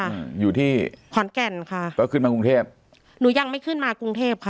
อ่าอยู่ที่ขอนแก่นค่ะก็ขึ้นมากรุงเทพหนูยังไม่ขึ้นมากรุงเทพค่ะ